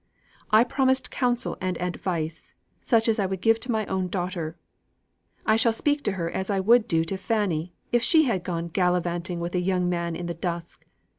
I promised counsel and advice, such as I would give to my own daughter; I shall speak to her as I would do to Fanny, if she had gone gallivanting with a young man in the dusk.